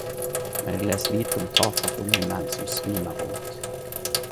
Men eg les lite om tafatte unge menn som svimer rundt...